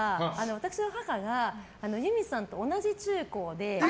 私の母が裕美さんと同じ中高で。